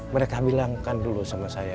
mereka bilangkan dulu sama saya